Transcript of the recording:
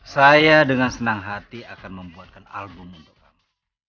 saya dengan senang hati akan membuatkan album untuk kamu